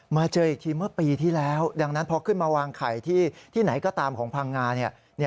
เจออีกทีเมื่อปีที่แล้วดังนั้นพอขึ้นมาวางไข่ที่ไหนก็ตามของพังงา